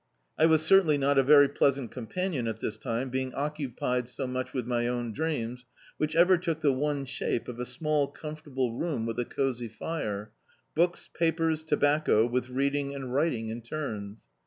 I was certainly not a very pleasant axnpanion at this time, being occupied so much with my own dreams, which ever took the one shape of a small ccwnforu ble room with a cosy fire; books, papers, tobaco), with reading and writing in turns.